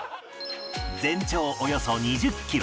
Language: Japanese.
全長およそ２０キロ